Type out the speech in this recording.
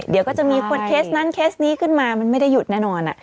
เดี๋ยวก็จะมีคนเคสนั้นเคสนี้ขึ้นมามันไม่ได้หยุดแน่นอน